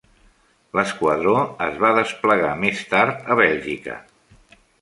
L'esquadró es va desplegar més tard a Bèlgica.